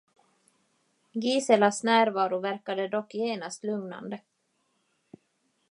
Giselas närvaro verkade dock genast lugnande.